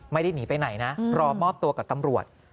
ไม่ได้หนีไปไหนนะรอมอบตัวกับตำรวจ